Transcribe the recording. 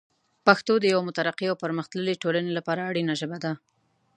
پښتو د یوه مترقي او پرمختللي ټولنې لپاره اړینه ژبه ده.